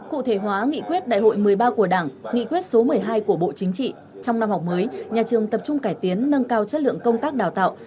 cụ thể hóa nghị quyết đại hội một mươi ba của đảng nghị quyết số một mươi hai của bộ chính trị trong năm học mới nhà trường tập trung cải tiến nâng cao chất lượng công tác đào tạo